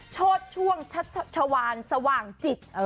โชดช่วงชัชวานสว่างจิต